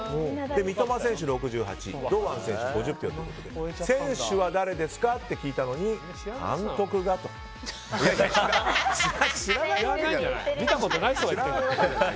三笘選手、６８堂安選手が５０票ということで選手は誰ですかと聞いたのに見たことない人がいるのかな。